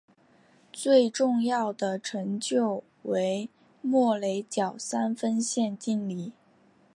最重要的成就为莫雷角三分线定理。